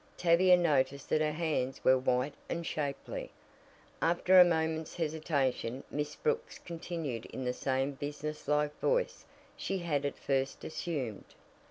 Tavia noticed that her hands were white and shapely. After a moment's hesitation Miss Brooks continued in the same business like voice she had at first assumed.